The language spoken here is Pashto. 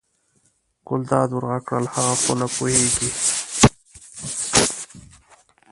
ګلداد ور غږ کړل هغه خو نه پوهېږي.